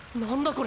これ。